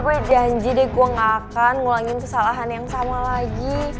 gue janji deh gue gak akan ngulangin kesalahan yang sama lagi